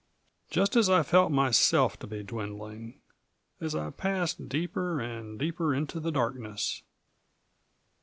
Just as I felt myself to be dwindling ... as I passed deeper and deeper into the darkness.